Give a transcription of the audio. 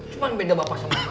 cuman beda bapak sama kakak